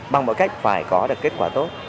bằng mọi cách phải có được kết quả tốt